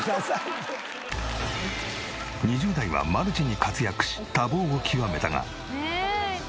２０代はマルチに活躍し多忙を極めたが。